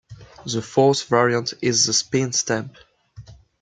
The fourth variant is the Spin Stamp.